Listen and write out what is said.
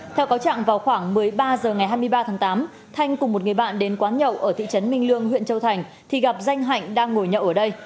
theo cáo trạng vào khoảng một mươi ba h ngày hai mươi ba tháng tám thanh cùng một người bạn đến quán nhậu ở thị trấn minh lương huyện châu thành thì gặp danh hạnh đang ngồi nhậu ở đây